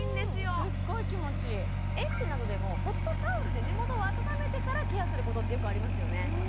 すっごい気持ちいいエステなどでもホットタオルで目元を温めてからケアすることってよくありますよね